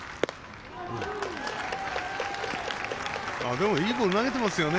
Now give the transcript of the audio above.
でもいいボール投げてますよね。